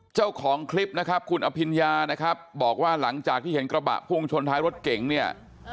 เจ้าของคลิปนะครับคุณอภิญญานะครับบอกว่าหลังจากที่เห็นกระบะพุ่งชนท้ายรถเก๋งเนี่ย